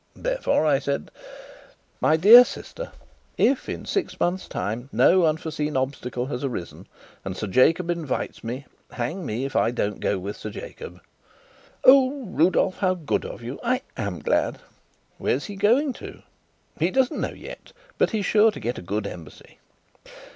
Therefore I said: "My dear sister, if in six months' time no unforeseen obstacle has arisen, and Sir Jacob invites me, hang me if I don't go with Sir Jacob!" "Oh, Rudolf, how good of you! I am glad!" "Where's he going to?" "He doesn't know yet; but it's sure to be a good Embassy."